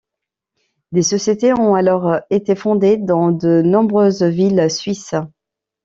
Des sociétés ont alors été fondées dans de nombreuses villes suisses.